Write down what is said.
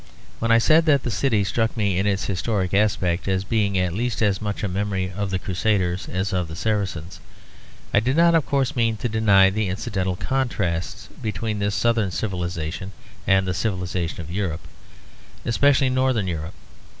When I said that the city struck me in its historic aspect as being at least as much a memory of the Crusaders as of the Saracens, I did not of course mean to deny the incidental contrasts between this Southern civilisation and the civilisation of Europe, especially northern Europe.